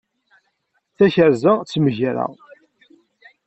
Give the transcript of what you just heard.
Takerza d tmegra.